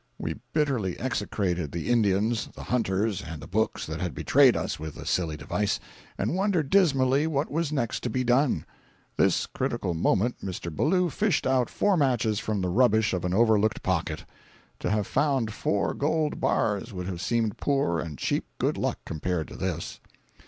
We bitterly execrated the Indians, the hunters and the books that had betrayed us with the silly device, and wondered dismally what was next to be done. At this critical moment Mr. Ballou fished out four matches from the rubbish of an overlooked pocket. To have found four gold bars would have seemed poor and cheap good luck compared to this.